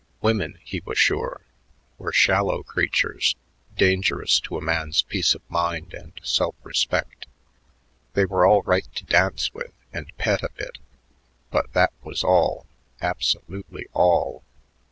Women, he was sure, were shallow creatures, dangerous to a man's peace of mind and self respect. They were all right to dance with and pet a bit; but that was all, absolutely all.